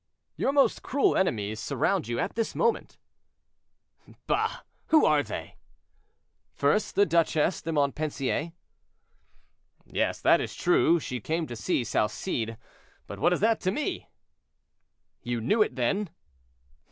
"Your most cruel enemies surround you at this moment." "Bah! who are they?" "First, the Duchesse de Montpensier." "Yes, that is true; she came to see Salcede; but what is that to me?" "You knew it, then?"